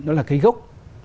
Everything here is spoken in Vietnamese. đó là cái gốc